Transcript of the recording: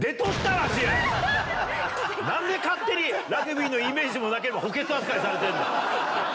何で勝手にラグビーのイメージもなければ補欠扱いされてんだ。